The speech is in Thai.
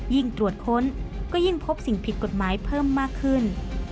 ตรวจค้นก็ยิ่งพบสิ่งผิดกฎหมายเพิ่มมากขึ้น